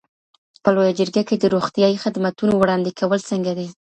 په لویه جرګه کي د روغتیایی خدمتونو وړاندي کول څنګه دي؟